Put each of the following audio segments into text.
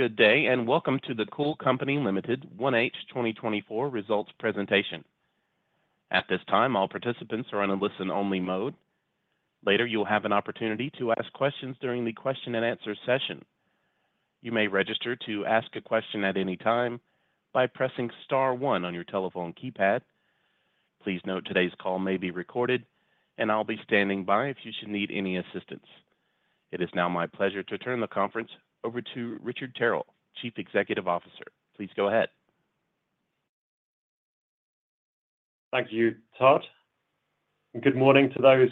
Good day, and welcome to the Cool Company Ltd. 1H 2024 results presentation. At this time, all participants are on a listen-only mode. Later, you will have an opportunity to ask questions during the question and answer session. You may register to ask a question at any time by pressing star one on your telephone keypad. Please note today's call may be recorded, and I'll be standing by if you should need any assistance. It is now my pleasure to turn the conference over to Richard Tyrrell, Chief Executive Officer. Please go ahead. Thank you, Todd, and good morning to those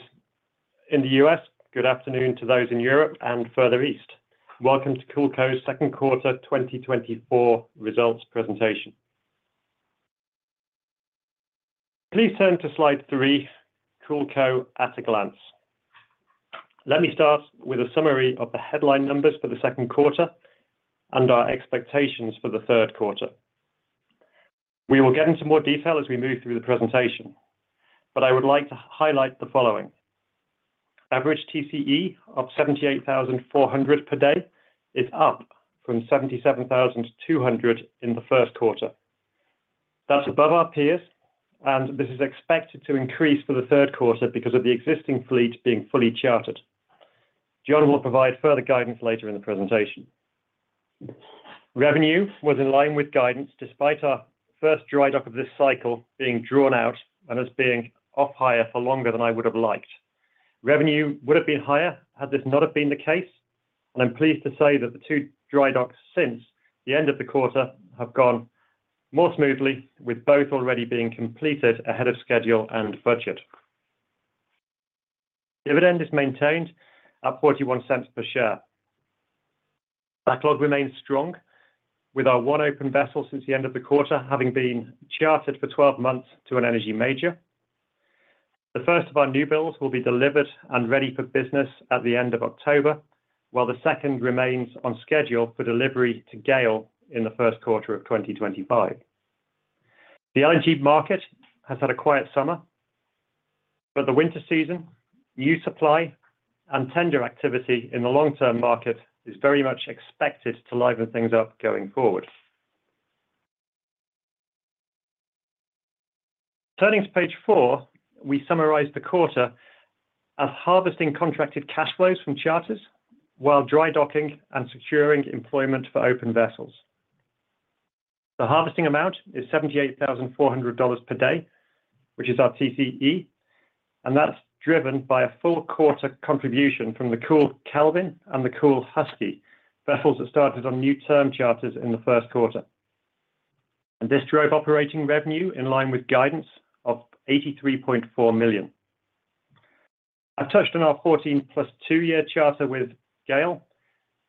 in the U.S. Good afternoon to those in Europe and further east. Welcome to CoolCo's second quarter 2024 results presentation. Please turn to slide three, CoolCo at a glance. Let me start with a summary of the headline numbers for the second quarter and our expectations for the third quarter. We will get into more detail as we move through the presentation, but I would like to highlight the following. Average TCE of $78,400 per day is up from $77,200 in the first quarter. That's above our peers, and this is expected to increase for the third quarter because of the existing fleet being fully chartered. John will provide further guidance later in the presentation. Revenue was in line with guidance, despite our first dry dock of this cycle being drawn out and us being off hire for longer than I would have liked. Revenue would have been higher had this not have been the case, and I'm pleased to say that the two dry docks since the end of the quarter have gone more smoothly, with both already being completed ahead of schedule and budget. Dividend is maintained at $0.41 per share. Backlog remains strong, with our one open vessel since the end of the quarter, having been chartered for 12 months to an energy major. The first of our new builds will be delivered and ready for business at the end of October, while the second remains on schedule for delivery to GAIL in the first quarter of 2025. The LNG market has had a quiet summer, but the winter season, new supply, and tender activity in the long-term market is very much expected to liven things up going forward. Turning to page four, we summarize the quarter as harvesting contracted cash flows from charters while dry docking and securing employment for open vessels. The harvesting amount is $78,400 per day, which is our TCE, and that's driven by a full quarter contribution from the Kool Kelvin and the Kool Husky, vessels that started on new term charters in the first quarter. This drove operating revenue in line with guidance of $83.4 million. I touched on our 14+2-year charter with GAIL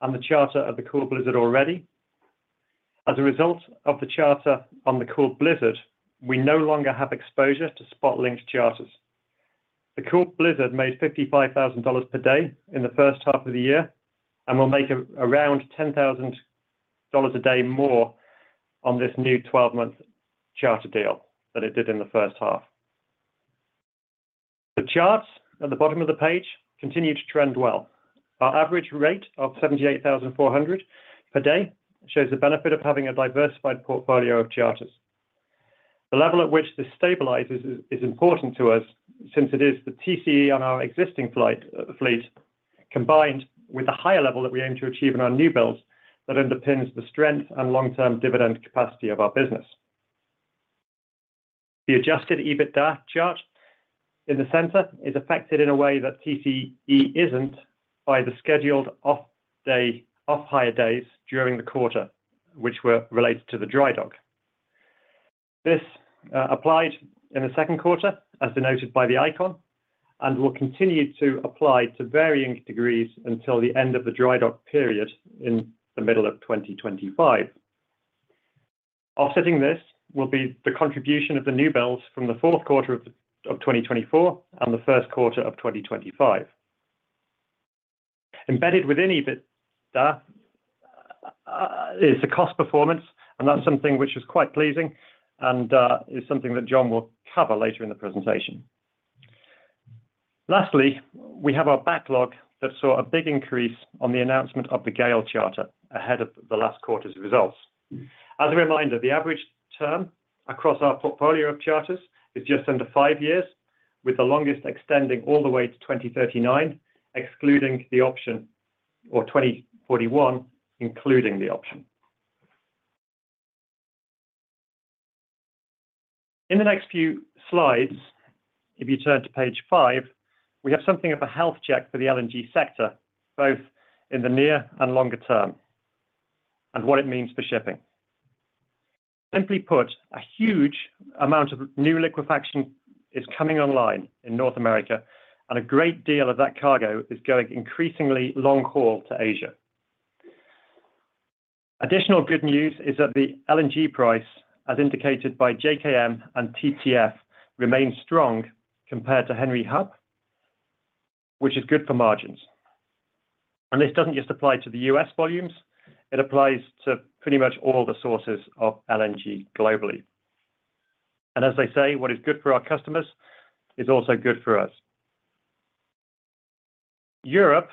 and the charter of the Kool Blizzard already. As a result of the charter on the Kool Blizzard, we no longer have exposure to spot-linked charters. The Kool Blizzard made $55,000 per day in the first half of the year and will make around $10,000 a day more on this new 12-month charter deal than it did in the first half. The charts at the bottom of the page continue to trend well. Our average rate of $78,400 per day shows the benefit of having a diversified portfolio of charters. The level at which this stabilizes is important to us since it is the TCE on our existing fleet, combined with the higher level that we aim to achieve in our new builds, that underpins the strength and long-term dividend capacity of our business. The adjusted EBITDA chart in the center is affected in a way that TCE isn't by the scheduled off-hire days during the quarter, which were related to the dry dock. This applied in the second quarter, as denoted by the icon, and will continue to apply to varying degrees until the end of the dry dock period in the middle of 2025. Offsetting this will be the contribution of the new builds from the fourth quarter of 2024 and the first quarter of 2025. Embedded within EBITDA is the cost performance, and that's something which is quite pleasing and is something that John will cover later in the presentation. Lastly, we have our backlog that saw a big increase on the announcement of the GAIL charter ahead of the last quarter's results. As a reminder, the average term across our portfolio of charters is just under five years, with the longest extending all the way to 2039, excluding the option, or 2041, including the option. In the next few slides, if you turn to page five, we have something of a health check for the LNG sector, both in the near and longer term, and what it means for shipping. Simply put, a huge amount of new liquefaction is coming online in North America, and a great deal of that cargo is going increasingly long haul to Asia. Additional good news is that the LNG price, as indicated by JKM and TTF, remains strong compared to Henry Hub, which is good for margins. And this doesn't just apply to the U.S. volumes, it applies to pretty much all the sources of LNG globally. And as they say, what is good for our customers is also good for us.... Europe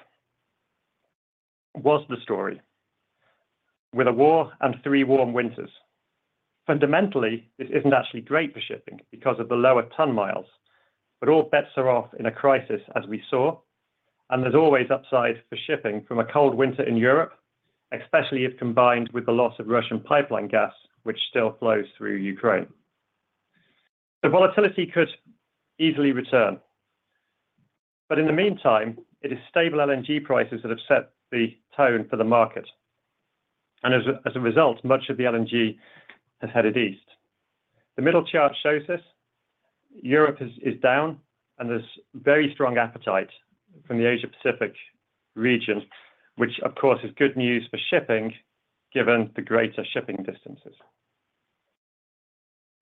was the story, with a war and three warm winters. Fundamentally, this isn't actually great for shipping because of the lower ton miles, but all bets are off in a crisis, as we saw, and there's always upside for shipping from a cold winter in Europe, especially if combined with the loss of Russian pipeline gas, which still flows through Ukraine. The volatility could easily return, but in the meantime, it is stable LNG prices that have set the tone for the market, and as a result, much of the LNG has headed east. The middle chart shows this. Europe is down, and there's very strong appetite from the Asia-Pacific region, which, of course, is good news for shipping, given the greater shipping distances.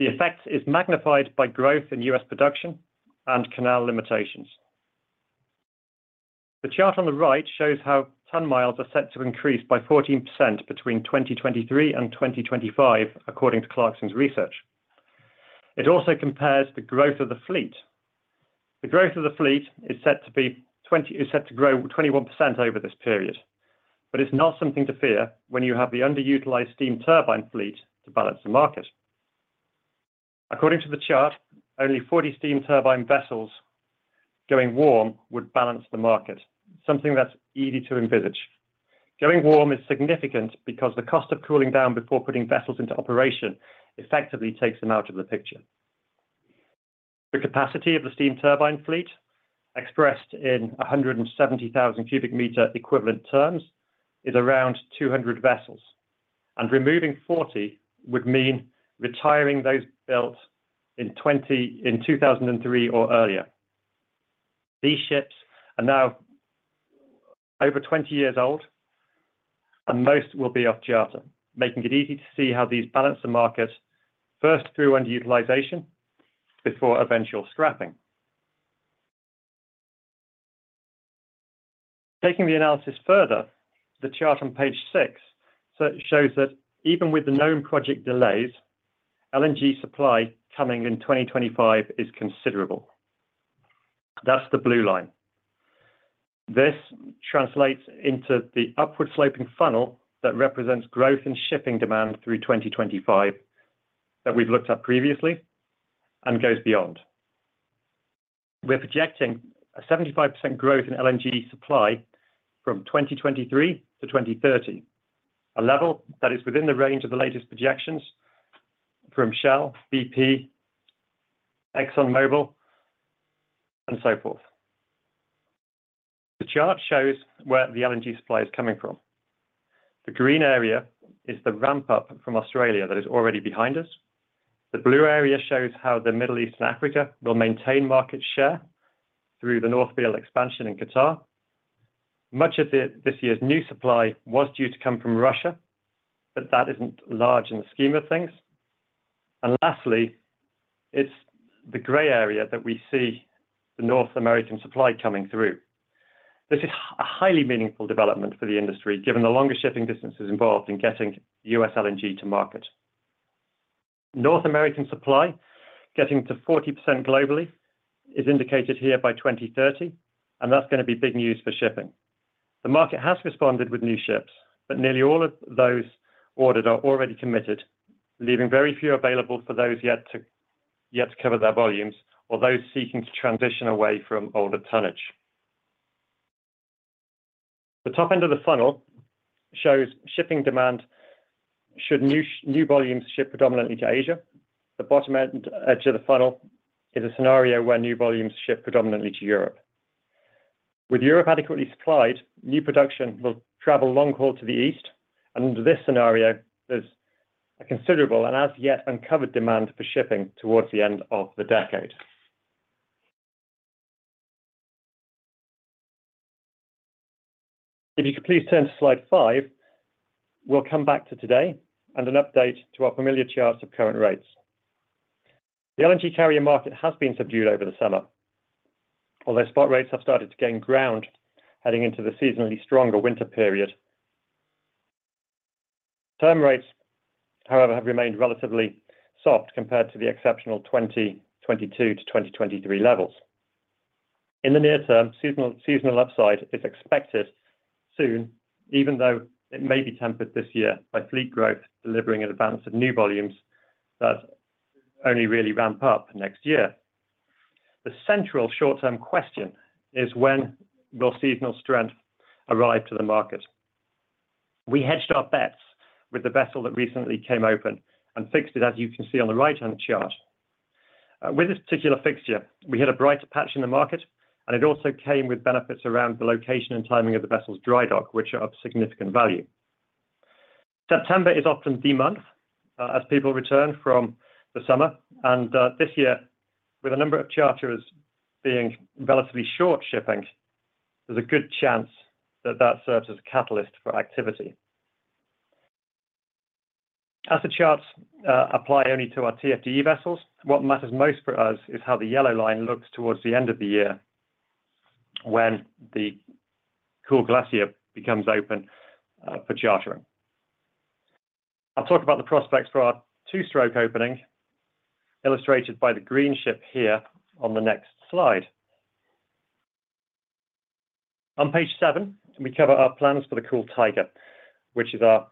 The effect is magnified by growth in U.S. production and canal limitations. The chart on the right shows how ton miles are set to increase by 14% between 2023 and 2025, according to Clarksons Research. It also compares the growth of the fleet. The growth of the fleet is set to grow 21% over this period, but it's not something to fear when you have the underutilized steam turbine fleet to balance the market. According to the chart, only 40 steam turbine vessels going warm would balance the market, something that's easy to envisage. Going warm is significant because the cost of cooling down before putting vessels into operation effectively takes them out of the picture. The capacity of the steam turbine fleet, expressed in a 170,000 cubic meter equivalent terms, is around 200 vessels, and removing 40 would mean retiring those built in 2003 or earlier. These ships are now over 20 years old, and most will be off charter, making it easy to see how these balance the markets first through underutilization before eventual scrapping. Taking the analysis further, the chart on page six shows that even with the known project delays, LNG supply coming in 2025 is considerable. That's the blue line. This translates into the upward sloping funnel that represents growth in shipping demand through 2025 that we've looked at previously and goes beyond. We're projecting a 75% growth in LNG supply from 2023 to 2030, a level that is within the range of the latest projections from Shell, BP, ExxonMobil, and so forth. The chart shows where the LNG supply is coming from. The green area is the ramp-up from Australia that is already behind us. The blue area shows how the Middle East and Africa will maintain market share through the North Field expansion in Qatar. Much of this year's new supply was due to come from Russia, but that isn't large in the scheme of things. And lastly, it's the gray area that we see the North American supply coming through. This is a highly meaningful development for the industry, given the longer shipping distances involved in getting U.S. LNG to market. North American supply, getting to 40% globally, is indicated here by 2030, and that's going to be big news for shipping. The market has responded with new ships, but nearly all of those ordered are already committed, leaving very few available for those yet to cover their volumes or those seeking to transition away from older tonnage. The top end of the funnel shows shipping demand should new volumes ship predominantly to Asia. The bottom end, edge of the funnel is a scenario where new volumes ship predominantly to Europe. With Europe adequately supplied, new production will travel long haul to the east, and under this scenario, there's a considerable and as-yet uncovered demand for shipping towards the end of the decade. If you could please turn to slide five, we'll come back to today and an update to our familiar charts of current rates. The LNG carrier market has been subdued over the summer, although spot rates have started to gain ground heading into the seasonally stronger winter period. Term rates, however, have remained relatively soft compared to the exceptional 2022-2023 levels. In the near term, seasonal upside is expected soon, even though it may be tempered this year by fleet growth, delivering an abundance of new volumes that only really ramp up next year. The central short-term question is: When will seasonal strength arrive to the market? We hedged our bets with the vessel that recently came open and fixed it, as you can see on the right-hand chart. With this particular fixture, we hit a brighter patch in the market, and it also came with benefits around the location and timing of the vessel's dry dock, which are of significant value. September is often the month, as people return from the summer, and, this year, with a number of charters being relatively short shipping, there's a good chance that that serves as a catalyst for activity. As the charts apply only to our TFDE vessels, what matters most for us is how the yellow line looks towards the end of the year when the Kool Glacier becomes open for chartering. I'll talk about the prospects for our two-stroke opening, illustrated by the green ship here on the next slide. On page seven, we cover our plans for the Kool Tiger, which is our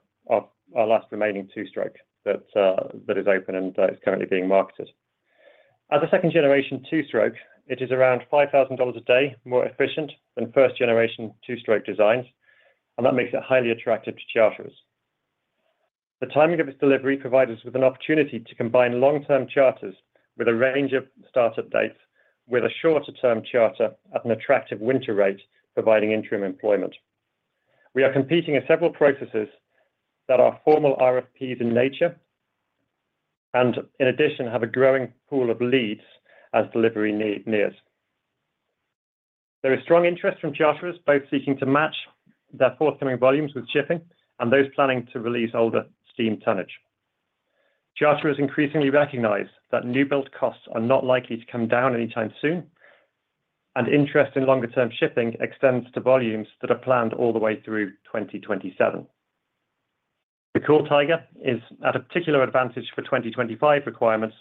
last remaining two-stroke that is open and that is currently being marketed. As a second generation two-stroke, it is around $5,000 a day, more efficient than first generation two-stroke designs, and that makes it highly attractive to charters. The timing of its delivery provides us with an opportunity to combine long-term charters with a range of start-up dates, with a shorter-term charter at an attractive winter rate, providing interim employment. We are competing in several processes that are formal RFPs in nature, and in addition, have a growing pool of leads as delivery nears. There is strong interest from charterers, both seeking to match their forthcoming volumes with shipping and those planning to release older steam tonnage. Charterers increasingly recognize that new build costs are not likely to come down anytime soon, and interest in longer-term shipping extends to volumes that are planned all the way through 2027. The Kool Tiger is at a particular advantage for 2025 requirements,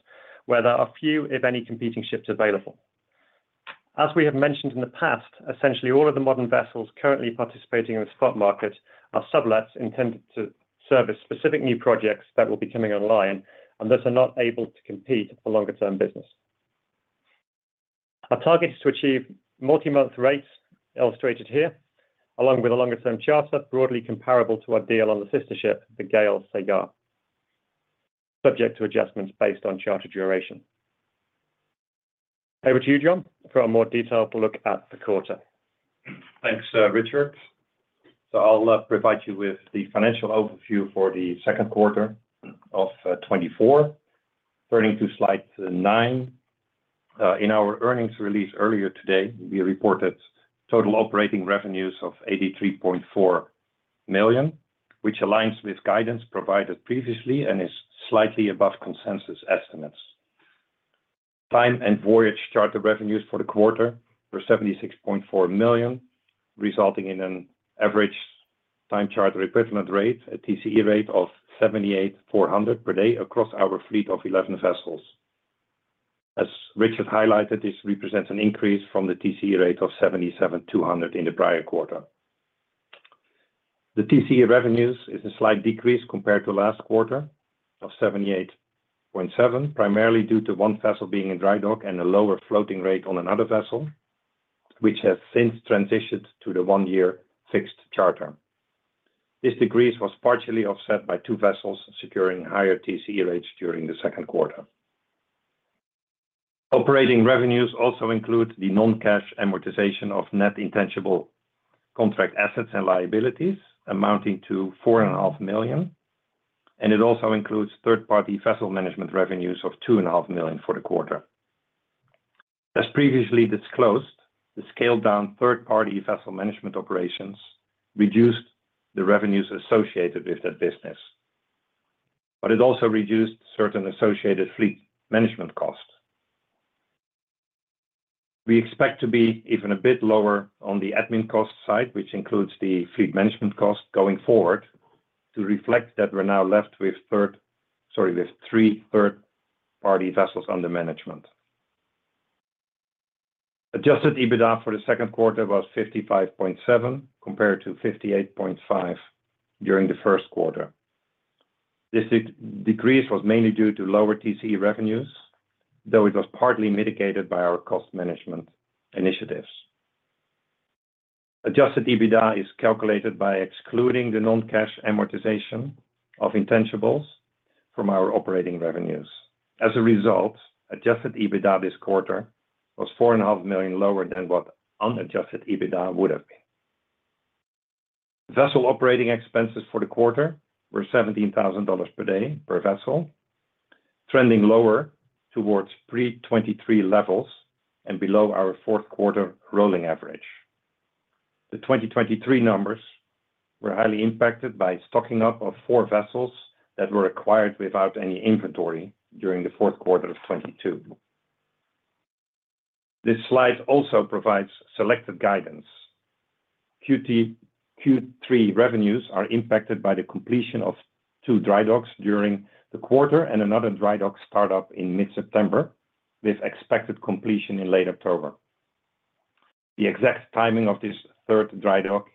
where there are few, if any, competing ships available. As we have mentioned in the past, essentially all of the modern vessels currently participating in the spot market are sublets intended to service specific new projects that will be coming online and thus are not able to compete for longer-term business. Our target is to achieve multi-month rates illustrated here, along with a longer-term charter, broadly comparable to our deal on the sister ship, the GAIL Sagar, subject to adjustments based on charter duration. Over to you, John, for a more detailed look at the quarter. Thanks, Richard. So I'll provide you with the financial overview for the second quarter of 2024. Turning to slide nine. In our earnings release earlier today, we reported total operating revenues of $83.4 million, which aligns with guidance provided previously and is slightly above consensus estimates. Time and voyage charter revenues for the quarter were $76.4 million, resulting in an average time charter equivalent rate, a TCE rate of $78,400 per day across our fleet of 11 vessels. As Richard highlighted, this represents an increase from the TCE rate of $77,200 in the prior quarter. The TCE revenues is a slight decrease compared to last quarter of $78.7 million, primarily due to one vessel being in dry dock and a lower floating rate on another vessel, which has since transitioned to the one-year fixed charter. This decrease was partially offset by two vessels securing higher TCE rates during the second quarter. Operating revenues also include the non-cash amortization of net intangible contract assets and liabilities, amounting to $4.5 million, and it also includes third-party vessel management revenues of $2.5 million for the quarter. As previously disclosed, the scaled-down third-party vessel management operations reduced the revenues associated with that business, but it also reduced certain associated fleet management costs. We expect to be even a bit lower on the admin cost side, which includes the fleet management cost going forward, to reflect that we're now left with three third-party vessels under management. Adjusted EBITDA for the second quarter was 55.7, compared to 58.5 during the first quarter. This decrease was mainly due to lower TCE revenues, though it was partly mitigated by our cost management initiatives. Adjusted EBITDA is calculated by excluding the non-cash amortization of intangibles from our operating revenues. As a result, adjusted EBITDA this quarter was $4.5 million lower than what unadjusted EBITDA would have been. Vessel operating expenses for the quarter were $17,000 per day per vessel, trending lower towards pre 2023 levels and below our fourth quarter rolling average. The 2023 numbers were highly impacted by stocking up of four vessels that were acquired without any inventory during the fourth quarter of 2022. This slide also provides selective guidance. Q3 revenues are impacted by the completion of two dry docks during the quarter and another dry dock start up in mid-September, with expected completion in late October. The exact timing of this third dry dock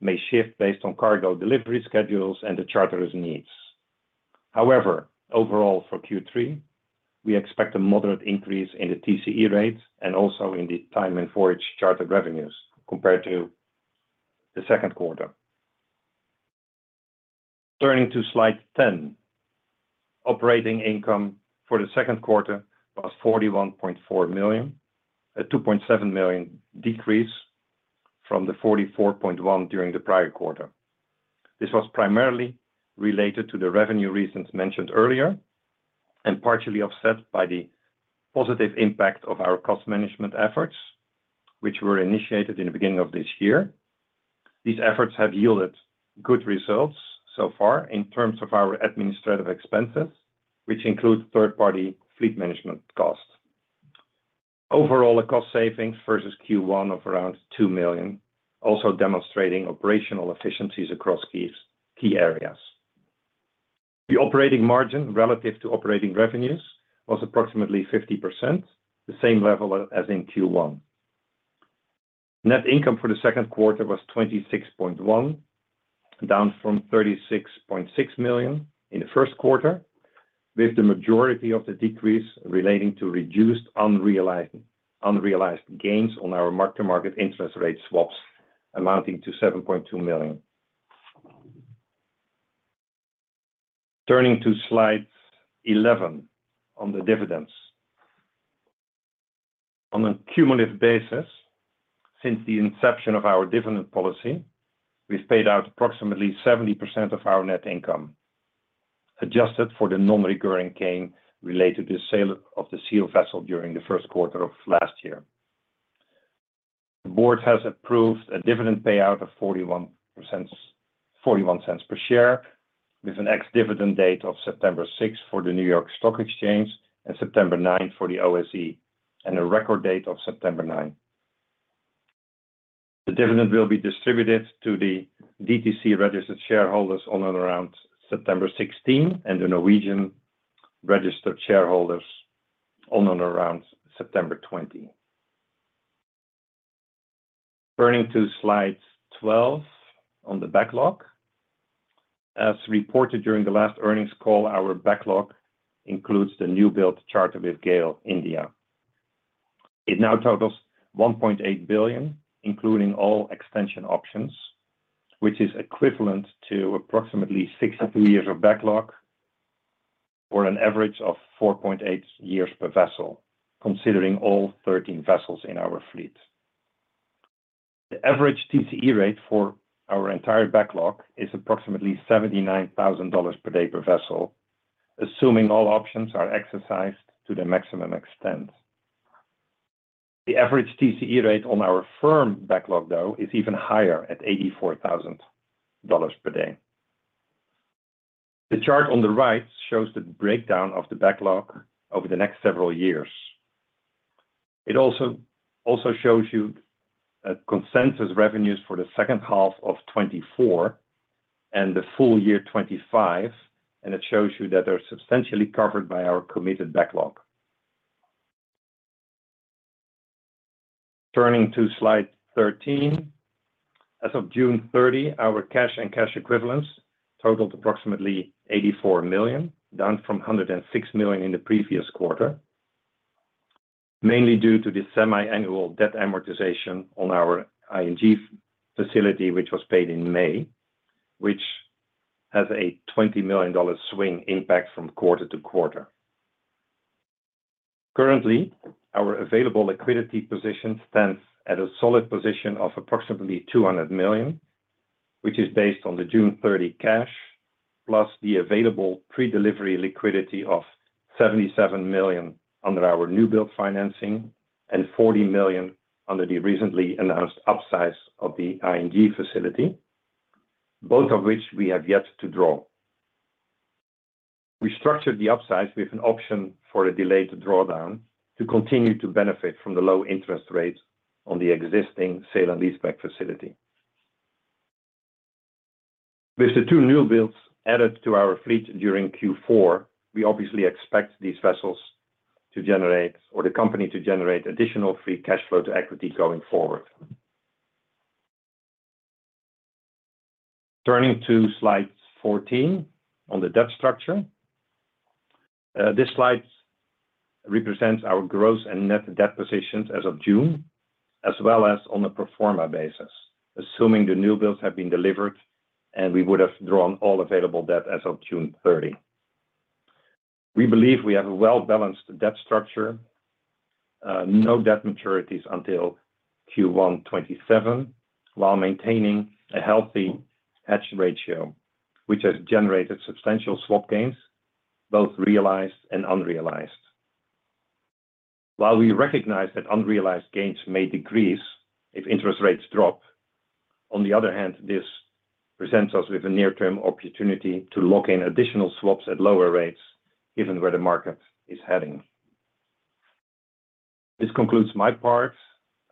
may shift based on cargo delivery schedules and the charterers' needs. However, overall, for Q3, we expect a moderate increase in the TCE rates and also in the time and voyage charter revenues compared to the second quarter. Turning to slide 10. Operating income for the second quarter was $41.4 million, a $2.7 million decrease from the $44.1 million during the prior quarter. This was primarily related to the revenue reasons mentioned earlier and partially offset by the positive impact of our cost management efforts, which were initiated in the beginning of this year. These efforts have yielded good results so far in terms of our administrative expenses, which include third-party fleet management costs. Overall, a cost savings versus Q1 of around $2 million, also demonstrating operational efficiencies across key areas. The operating margin relative to operating revenues was approximately 50%, the same level as in Q1. Net income for the second quarter was $26.1 million, down from $36.6 million in the first quarter, with the majority of the decrease relating to reduced unrealized gains on our mark-to-market interest rate swaps, amounting to $7.2 million. Turning to slide 11 on the dividends. On a cumulative basis, since the inception of our dividend policy, we've paid out approximately 70% of our net income, adjusted for the non-recurring gain related to the sale of the Seal vessel during the first quarter of last year. The board has approved a dividend payout of $0.41 per share, with an ex-dividend date of September 6th for the New York Stock Exchange and September 9th for the OSE, and a record date of September 9th. The dividend will be distributed to the DTC registered shareholders on and around September 16th, and the Norwegian registered shareholders on and around September 20th. Turning to slide 12 on the backlog. As reported during the last earnings call, our backlog includes the new build charter with GAIL India. It now totals $1.8 billion, including all extension options, which is equivalent to approximately 63 years of backlog or an average of 4.8 years per vessel, considering all 13 vessels in our fleet. The average TCE rate for our entire backlog is approximately $79,000 per day per vessel, assuming all options are exercised to the maximum extent. The average TCE rate on our firm backlog, though, is even higher at $84,000 per day. The chart on the right shows the breakdown of the backlog over the next several years. It also shows you consensus revenues for the second half of 2024 and the full year 2025, and it shows you that they're substantially covered by our committed backlog. Turning to slide 13. As of June 30, our cash and cash equivalents totaled approximately $84 million, down from $106 million in the previous quarter, mainly due to the semiannual debt amortization on our ING facility, which was paid in May, which has a $20 million swing impact from quarter to quarter. Currently, our available liquidity position stands at a solid position of approximately $200 million, which is based on the June 30 cash, plus the available pre-delivery liquidity of $77 million under our new build financing and $40 million under the recently announced upsize of the ING facility, both of which we have yet to draw. We structured the upsize with an option for a delayed drawdown to continue to benefit from the low interest rates on the existing sale and leaseback facility. With the two new builds added to our fleet during Q4, we obviously expect these vessels to generate, or the company to generate additional free cash flow to equity going forward. Turning to slide 14 on the debt structure. This slide represents our gross and net debt positions as of June, as well as on a pro forma basis, assuming the new builds have been delivered and we would have drawn all available debt as of June 30. We believe we have a well-balanced debt structure, no debt maturities until Q1 2027, while maintaining a healthy hedge ratio, which has generated substantial swap gains, both realized and unrealized. While we recognize that unrealized gains may decrease if interest rates drop, on the other hand, this presents us with a near-term opportunity to lock in additional swaps at lower rates, given where the market is heading. This concludes my part.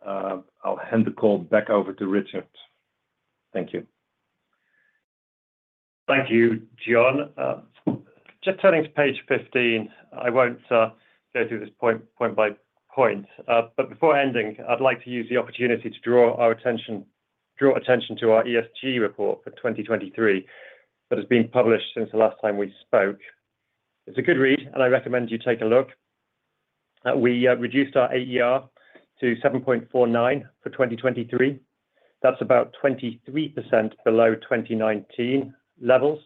I'll hand the call back over to Richard. Thank you. Thank you, John. Just turning to page 15. I won't go through this point by point, but before ending, I'd like to use the opportunity to draw attention to our ESG report for 2023, that has been published since the last time we spoke. It's a good read, and I recommend you take a look. We reduced our AER to 7.49 for 2023. That's about 23% below 2019 levels,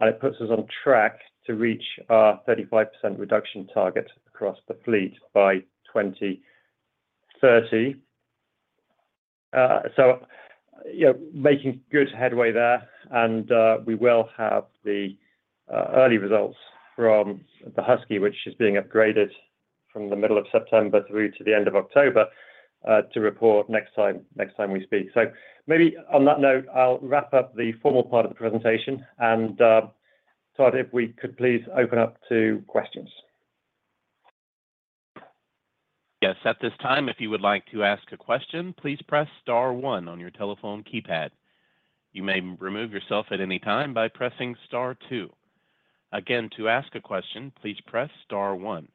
and it puts us on track to reach our 35% reduction target across the fleet by 2030. So yeah, making good headway there, and we will have the early results from the Kool Husky, which is being upgraded from the middle of September through to the end of October, to report next time we speak. So maybe on that note, I'll wrap up the formal part of the presentation and, Todd, if we could please open up to questions. Yes, at this time, if you would like to ask a question, please press star one on your telephone keypad. You may remove yourself at any time by pressing star two. Again, to ask a question, please press star one.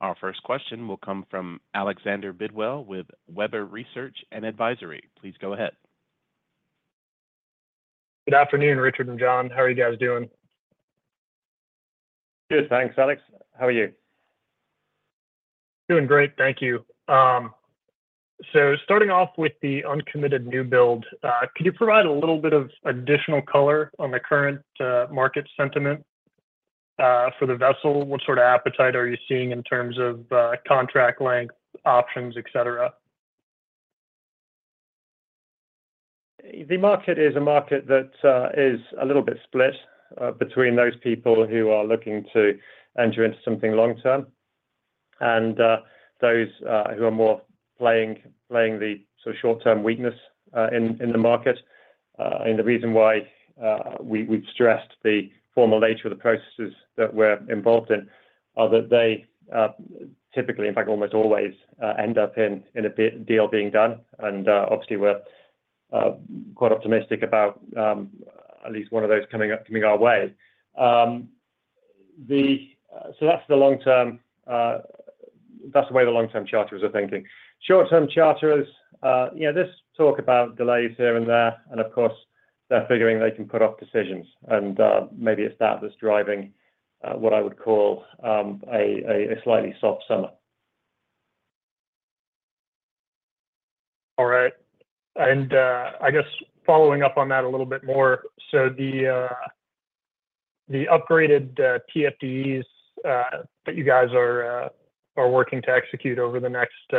Our first question will come from Alexander Bidwell with Webber Research & Advisory. Please go ahead. Good afternoon, Richard and John. How are you guys doing? Good, thanks, Alex. How are you? Doing great. Thank you. So starting off with the uncommitted new build, could you provide a little bit of additional color on the current market sentiment for the vessel? What sort of appetite are you seeing in terms of contract length, options, et cetera? The market is a market that is a little bit split between those people who are looking to enter into something long term, and those who are more playing the sort of short term weakness in the market. And the reason why we've stressed the formal nature of the processes that we're involved in are that they typically, in fact, almost always end up in a deal being done. And obviously, we're quite optimistic about at least one of those coming our way. So that's the long term, that's the way the long-term charterers are thinking. Short-term charterers, yeah, there's talk about delays here and there, and of course, they're figuring they can put off decisions. Maybe it's that that's driving what I would call a slightly soft summer. All right. And, I guess following up on that a little bit more, so the upgraded TFDEs that you guys are working to execute over the next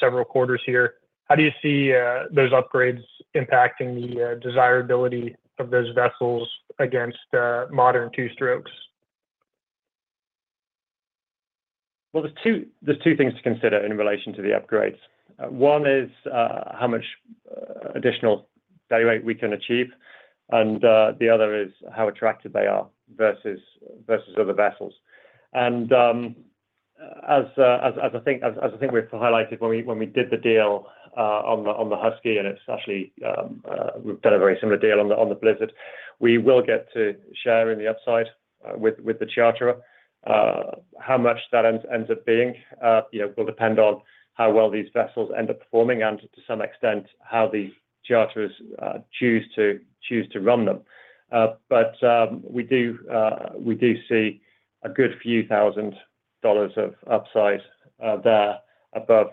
several quarters here, how do you see those upgrades impacting the desirability of those vessels against modern two strokes? Well, there's two things to consider in relation to the upgrades. One is how much additional day rate we can achieve, and the other is how attractive they are versus other vessels. And as I think we've highlighted when we did the deal on the Kool Husky, and it's actually we've done a very similar deal on the Kool Blizzard, we will get to share in the upside with the charterer. How much that ends up being, you know, will depend on how well these vessels end up performing, and to some extent, how the charterers choose to run them. But we do see a good few thousand dollars of upside there above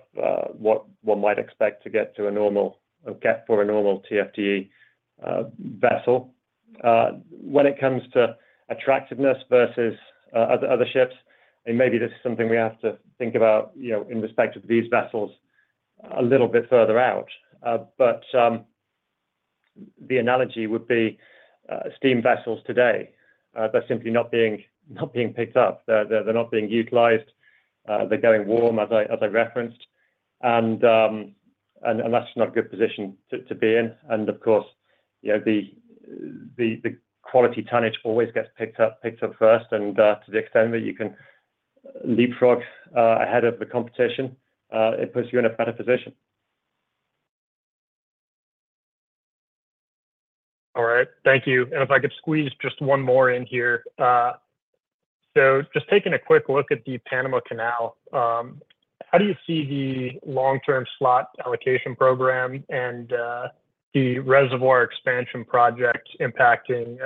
what one might expect to get to a normal, or get for a normal TFDE vessel. When it comes to attractiveness versus other ships, and maybe this is something we have to think about, you know, in respect to these vessels a little bit further out, but the analogy would be steam vessels today. They're simply not being picked up. They're not being utilized. They're going warm as I referenced, and that's not a good position to be in. Of course, you know, the quality tonnage always gets picked up first, and to the extent that you can leapfrog ahead of the competition, it puts you in a better position. All right. Thank you. And if I could squeeze just one more in here. So just taking a quick look at the Panama Canal, how do you see the long-term slot allocation program and the reservoir expansion project impacting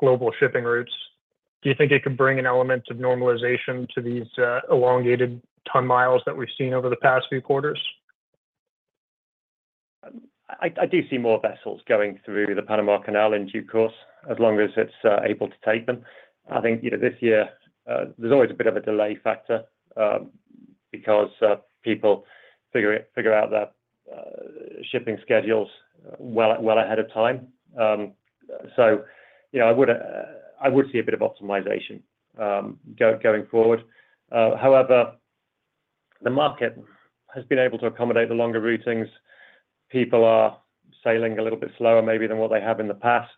global shipping routes? Do you think it could bring an element of normalization to these elongated ton miles that we've seen over the past few quarters? I do see more vessels going through the Panama Canal in due course, as long as it's able to take them. I think, you know, this year, there's always a bit of a delay factor, because people figure out their shipping schedules well ahead of time. So, you know, I would see a bit of optimization going forward. However, the market has been able to accommodate the longer routings. People are sailing a little bit slower maybe than what they have in the past.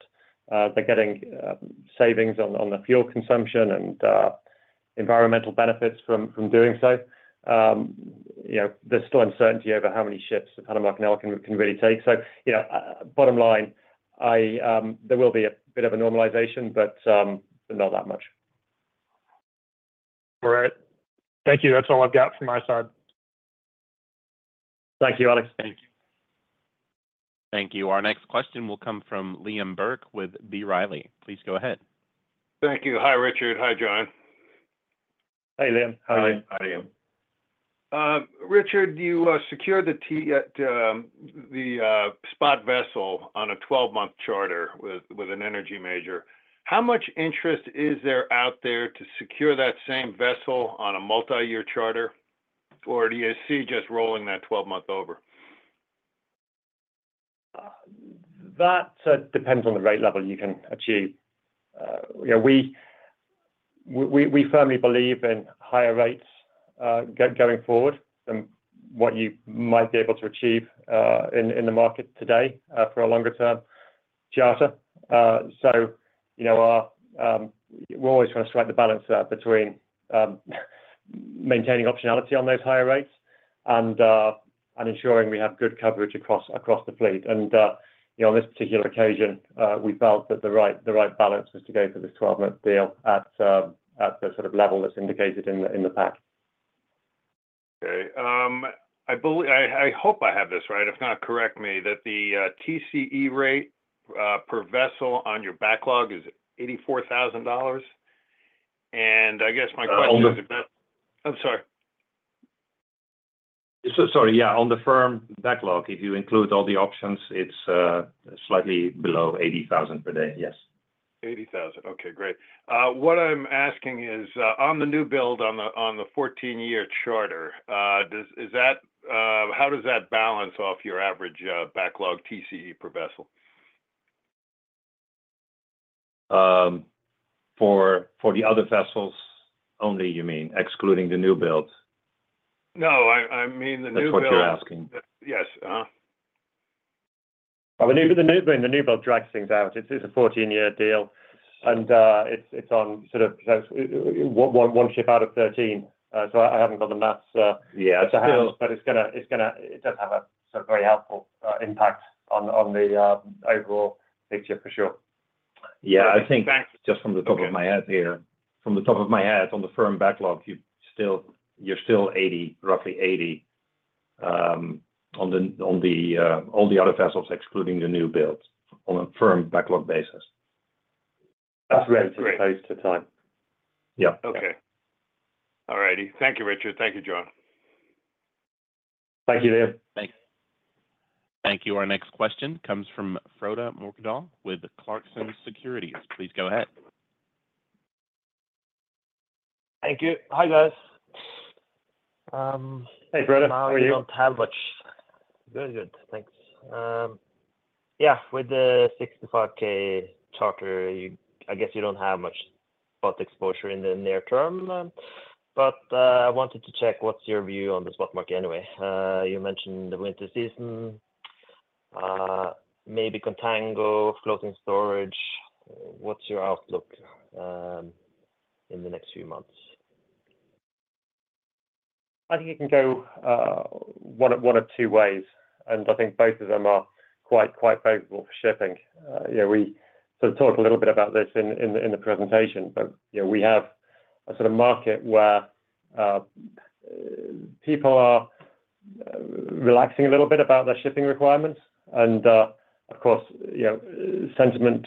They're getting savings on the fuel consumption and environmental benefits from doing so. You know, there's still uncertainty over how many ships the Panama Canal can really take. So, you know, bottom line, there will be a bit of a normalization, but not that much. All right. Thank you. That's all I've got from my side. Thank you, Alex. Thank you. Our next question will come from Liam Burke with B. Riley. Please go ahead. Thank you. Hi, Richard. Hi, John. Hey, Liam. Hi. Hi, Liam. Richard, you secured the spot vessel on a 12-month charter with an energy major. How much interest is there out there to secure that same vessel on a multi-year charter, or do you see just rolling that 12-month over? That depends on the rate level you can achieve. You know, we firmly believe in higher rates going forward than what you might be able to achieve in the market today for a longer-term charter. So, you know, we're always trying to strike the balance between maintaining optionality on those higher rates and ensuring we have good coverage across the fleet. And you know, on this particular occasion, we felt that the right balance was to go for this 12-month deal at the sort of level that's indicated in the pack. Okay. I believe I hope I have this right, if not, correct me, that the TCE rate per vessel on your backlog is $84,000? And I guess my question is- On the- I'm sorry. Sorry, yeah. On the firm backlog, if you include all the options, it's slightly below $80,000 per day. Yes. $80,000. Okay, great. What I'm asking is, on the new build on the 14-year charter, does that balance off your average backlog TCE per vessel? For the other vessels only, you mean, excluding the new builds? No, I mean the new build. That's what you're asking. Yes, uh-huh. The new build drags things out. It's a 14-year deal, and it's on sort of one ship out of 13. So I haven't got the math. Yeah. But it's gonna. It does have some very helpful impact on the overall picture, for sure. Yeah, I think just from the top of my head here, on the firm backlog, you're still roughly 80, on the other vessels, excluding the new builds, on a firm backlog basis. That's great. As opposed to time. Yeah. Okay. All righty. Thank you, Richard. Thank you, John. Thank you, Dave. Thanks. Thank you. Our next question comes from Frode Mørkedal with Clarksons Securities. Please go ahead. Thank you. Hi, guys. Hey, Frode, how are you? I don't have much. Good, good. Thanks. Yeah, with the $65,000 charter, you, I guess you don't have much spot exposure in the near term, but I wanted to check. What's your view on the spot market anyway? You mentioned the winter season, maybe contango, floating storage. What's your outlook in the next few months? I think it can go one of two ways, and I think both of them are quite favorable for shipping. We sort of talked a little bit about this in the presentation, but you know, we have a sort of market where people are relaxing a little bit about their shipping requirements, and of course, you know, sentiment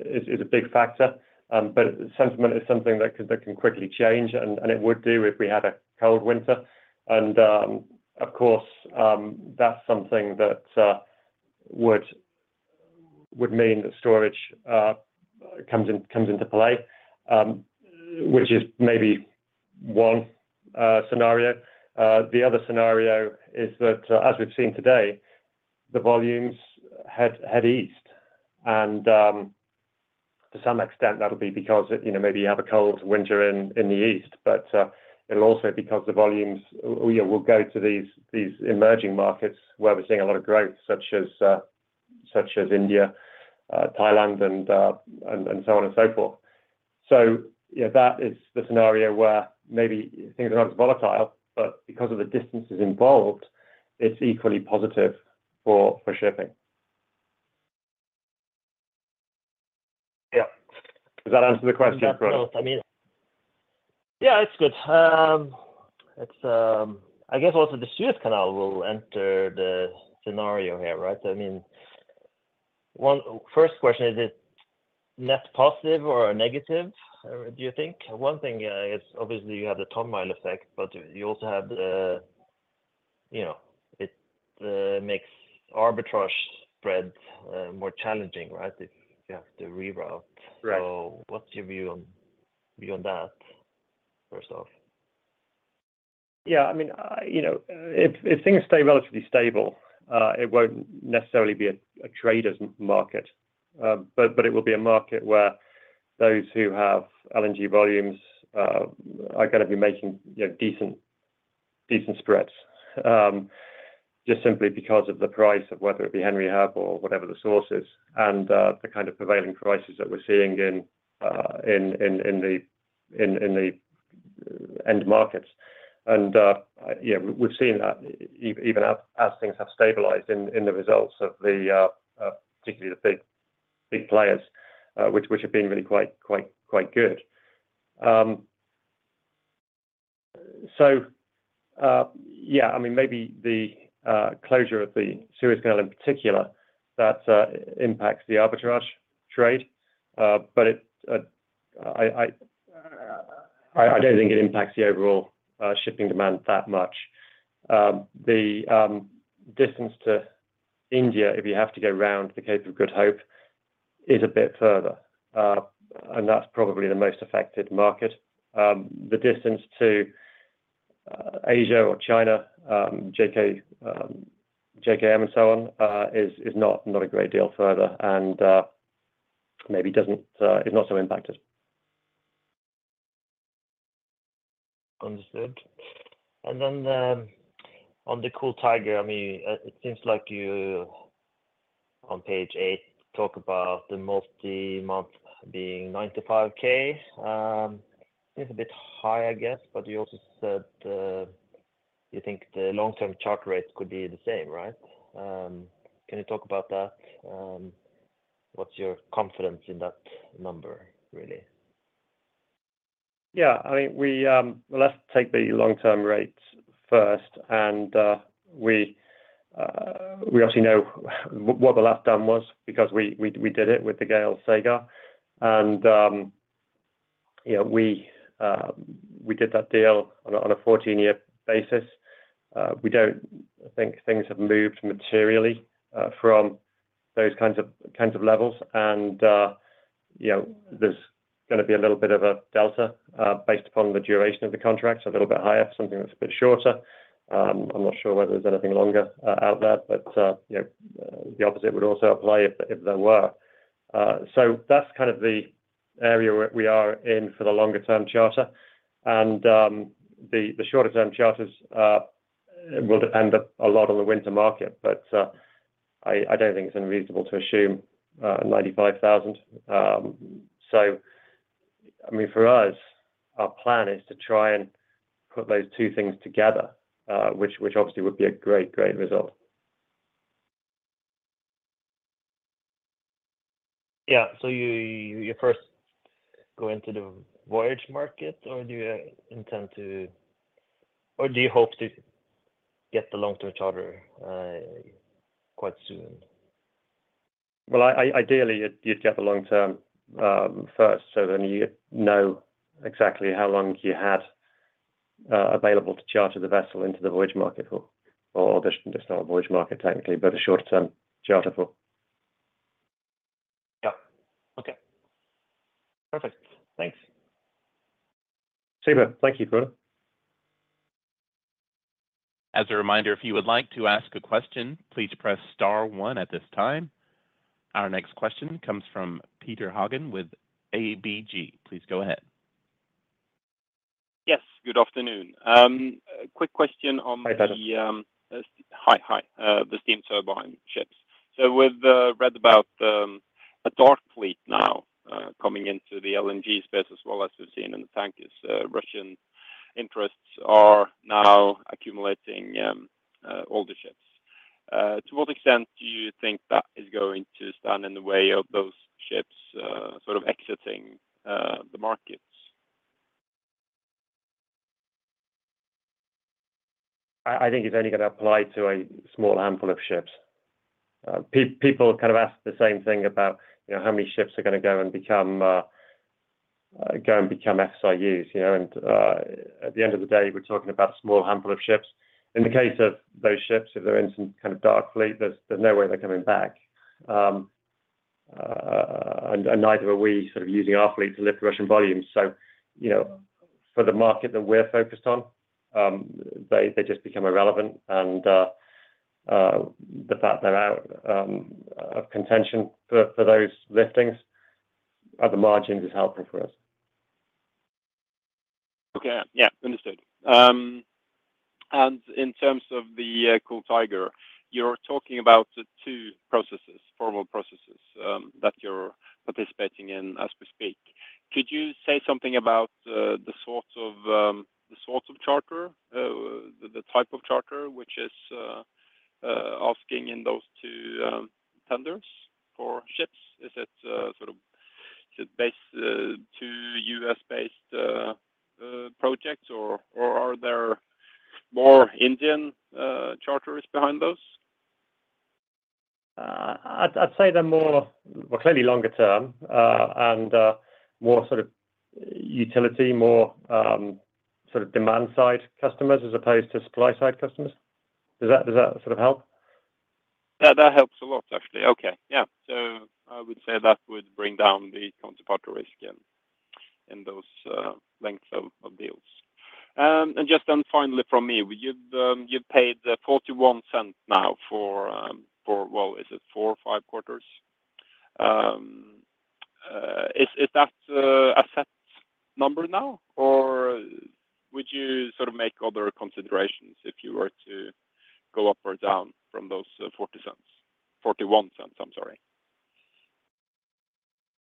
is a big factor, but sentiment is something that can quickly change, and it would do if we had a cold winter. Of course, that's something that would mean that storage comes into play, which is maybe one scenario. The other scenario is that, as we've seen today, the volumes head east, and, to some extent, that'll be because, you know, maybe you have a cold winter in the east, but, it'll also because the volumes will go to these emerging markets where we're seeing a lot of growth, such as India, Thailand, and so on and so forth. So, yeah, that is the scenario where maybe things are not as volatile, but because of the distances involved, it's equally positive for shipping. Yeah. Does that answer the question, Frode? Yeah, it's good. I guess also the Suez Canal will enter the scenario here, right? I mean, first question, is it net positive or negative, do you think? One thing is obviously you have the ton-mile effect, but you also have the, you know, it makes arbitrage spreads more challenging, right, if you have to reroute. Right. So what's your view on that, first off? Yeah, I mean, you know, if things stay relatively stable, it won't necessarily be a trader's market, but it will be a market where those who have LNG volumes are gonna be making, you know, decent spreads, just simply because of the price of whether it be Henry Hub or whatever the source is, and the kind of prevailing prices that we're seeing in the end markets. And yeah, we've seen that even as things have stabilized in the results of the particularly big players, which have been really quite good. So, yeah, I mean, maybe the closure of the Suez Canal, in particular, that impacts the arbitrage trade, but I don't think it impacts the overall shipping demand that much. The distance to India, if you have to go around the Cape of Good Hope, is a bit further, and that's probably the most affected market. The distance to Asia or China, JKM, and so on, is not a great deal further, and maybe is not so impacted. Understood. And then, on the Kool Tiger, I mean, it seems like you on page 8 talk about the multi-month being $95K. It's a bit high, I guess, but you also said, you think the long-term charter rate could be the same, right? Can you talk about that? What's your confidence in that number, really? Yeah, I mean, well, let's take the long term rate first, and we obviously know what the last done was because we did it with the GAIL Sagar. And you know, we did that deal on a 14-year basis. We don't think things have moved materially from those kinds of levels. And you know, there's gonna be a little bit of a delta based upon the duration of the contract, so a little bit higher, something that's a bit shorter. I'm not sure whether there's anything longer out there, but you know, the opposite would also apply if there were. So that's kind of the area where we are in for the longer term charter, and the shorter term charters will depend a lot on the winter market. But I don't think it's unreasonable to assume $95,000. So, I mean, for us, our plan is to try and put those two things together, which obviously would be a great, great result. Yeah. So you first go into the voyage market, or do you intend to or do you hope to get the long-term charter quite soon? Ideally, you'd get the long term first, so then you know exactly how long you had available to charter the vessel into the voyage market or just not a voyage market, technically, but a short term charter for. Yeah. Okay. Perfect. Thanks. Super. Thank you, Frode. As a reminder, if you would like to ask a question, please press star one at this time. Our next question comes from Petter Haugen with ABG. Please go ahead. Yes, good afternoon. A quick question on the, Hi, Petter. Hi, hi, the steam turbine ships. So we've read about a dark fleet now coming into the LNG space as well as we've seen in the tankers. Russian interests are now accumulating older ships. To what extent do you think that is going to stand in the way of those ships sort of exiting the markets? I think it's only gonna apply to a small handful of ships. People kind of ask the same thing about, you know, how many ships are gonna go and become SIUs, you know, and at the end of the day, we're talking about a small handful of ships. In the case of those ships, if they're in some kind of dark fleet, there's no way they're coming back. And neither are we sort of using our fleet to lift Russian volumes. So, you know, for the market that we're focused on, they just become irrelevant. And the fact they're out of contention for those listings at the margins is helpful for us. Okay. Yeah, understood. And in terms of the Kool Tiger, you're talking about the two processes, formal processes, that you're participating in as we speak. Could you say something about the sorts of charter, the type of charter, which is asking in those two tenders for ships? Is it sort of, is it based to U.S.-based projects, or are there more Indian charters behind those? I'd say they're more, well, clearly longer term, and more sort of utility, more sort of demand side customers as opposed to supply side customers. Does that sort of help? Yeah, that helps a lot, actually. Okay. Yeah. So I would say that would bring down the counterparty risk in those lengths of deals, and just then finally from me, you've paid the $0.41 now for, well, is it four or five quarters? Is that a set number now, or would you sort of make other considerations if you were to go up or down from those $0.40? $0.41, I'm sorry.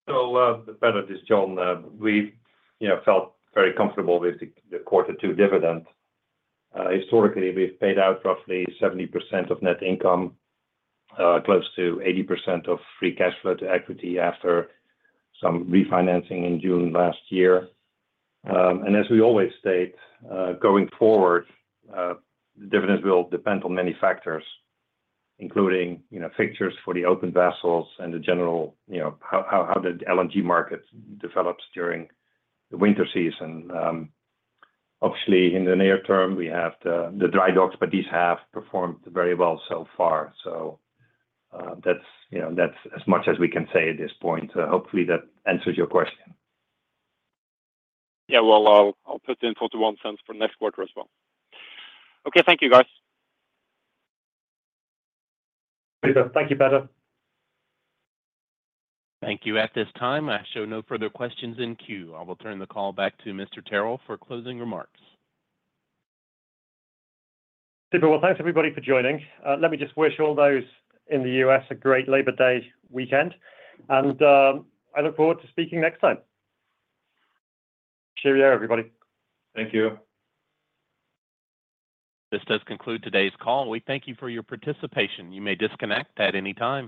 So, the bet is, John here, we, you know, felt very comfortable with the quarter two dividend. Historically, we've paid out roughly 70% of net income, close to 80% of free cash flow to equity after some refinancing in June last year. And as we always state, going forward, dividends will depend on many factors, including, you know, fixtures for the open vessels and the general, you know, how the LNG market develops during the winter season. Obviously, in the near term, we have the dry docks, but these have performed very well so far. So, that's, you know, that's as much as we can say at this point. Hopefully, that answers your question. Yeah, well, I'll, I'll put in $0.41 for next quarter as well. Okay. Thank you, guys. Thank you, Petter. Thank you. At this time, I show no further questions in queue. I will turn the call back to Mr. Tyrrell for closing remarks. Super. Well, thanks, everybody, for joining. Let me just wish all those in the U.S. a great Labor Day weekend, and I look forward to speaking next time. Cheerio, everybody. Thank you. This does conclude today's call. We thank you for your participation. You may disconnect at any time.